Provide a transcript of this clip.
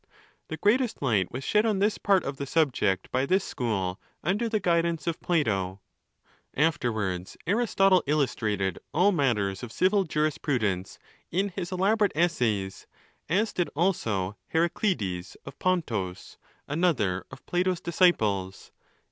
The greatest light was shed on this part of the subject by this School under the guidance of Plato. Afterwards, Aris totle illustrated all matters of civil jurisprudence in his elaborate essays, as did also Heraclides of Pontus, another of Plato's disciples.